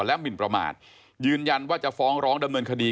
และหมินประมาทยืนยันว่าจะฟ้องร้องดำเนินคดี